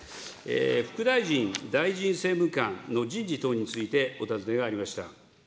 副大臣・大臣政務官の人事等についてお尋ねがありました。